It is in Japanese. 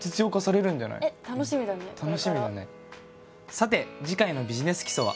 さて次回の「ビジネス基礎」は。